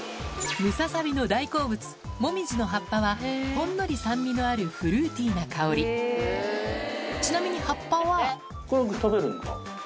ムササビの大好物モミジの葉っぱはほんのり酸味のあるフルーティーな香りちなみに葉っぱはこれ食べるんだ。